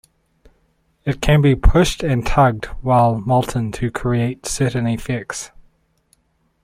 It can be pushed and tugged while molten to create certain effects.